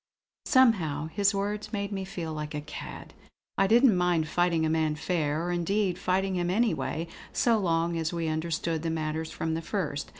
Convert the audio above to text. Somehow his words made me feel like a cad. I didn't mind fighting a man fair; or indeed fighting him anyway, so long as we understood the matter from the first.